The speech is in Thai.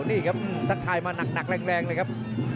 นี่ครับทักทายมาหนักแรงเลยครับ